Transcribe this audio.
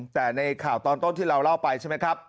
แต่ในข่าวตอนต้นที่เราเล่าไปใช่ไหมครับ